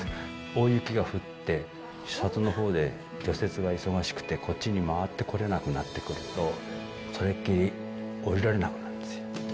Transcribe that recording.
大雪が降って里のほうで除雪が忙しくて、こっちに回ってこれなくなってくると、それっきり下りられなくなるんですよ。